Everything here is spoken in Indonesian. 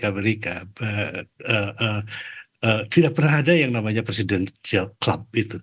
amerika tidak pernah ada yang namanya presidential club itu